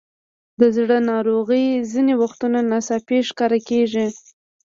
د زړه ناروغۍ ځینې وختونه ناڅاپي ښکاره کېږي.